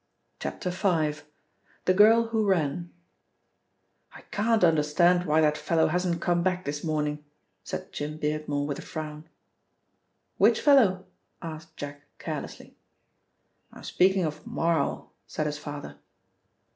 V. — THE GIRL WHO RAN "I CAN'T understand why that fellow hasn't come back this morning," said Jim Beardmore with a frown. "Which fellow?" asked Jack carelessly. "I'm speaking of Marl," said his father.